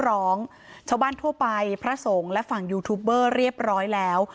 ร้องชาวบ้านทั่วไปพระสงฆ์และฝั่งยูทูบเบอร์เรียบร้อยแล้ว